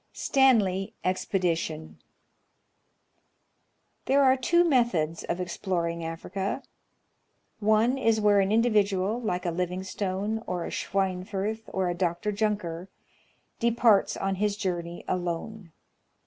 Stanley Expedition. There are two methods of exploring Africa. One is where an individual, like a Livingstone, or a Schweinfurth, or a Dr. Junker, departs on his journey alone.